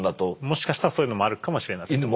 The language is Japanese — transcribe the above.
もしかしたらそういうのもあるかもしれないですね。